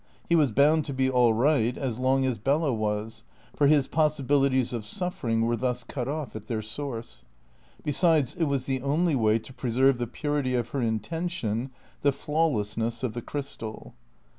He was bound to be all right as long as Bella was; for his possibilities of suffering were thus cut off at their source. Besides, it was the only way to preserve the purity of her intention, the flawlessness of the crystal.